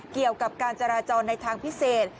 เกี่ยวกับการจราจรในทางพิเศษ